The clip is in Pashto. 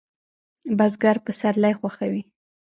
بزګر پسرلی خوښوي